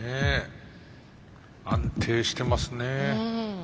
安定してますね。